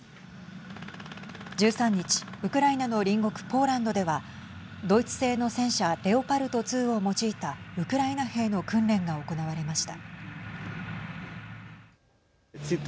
１３日、ウクライナの隣国ポーランドではドイツ製の戦車レオパルト２を用いたウクライナ兵の訓練が行われました。